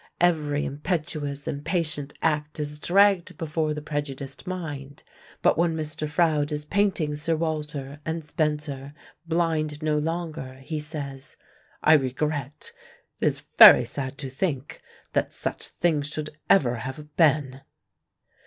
Every impetuous, impatient act is dragged before the prejudiced mind. But when Mr. Froude is painting Sir Walter and Spenser, blind no longer, he says: 'I regret it is very sad to think that such things should ever have been!'"